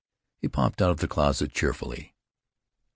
He popped out of the closet cheerfully.